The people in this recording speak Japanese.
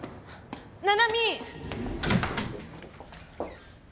七海！